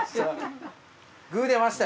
グー出ました。